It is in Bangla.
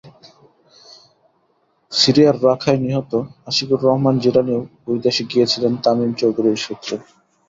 সিরিয়ার রাকায় নিহত আশিকুর রহমান জিলানীও ওই দেশে গিয়েছিলেন তামিম চৌধুরীর সূত্রে।